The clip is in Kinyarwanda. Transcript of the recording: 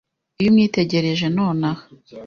Iyo umwitegereje nonaha